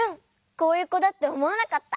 こういうこだっておもわなかった！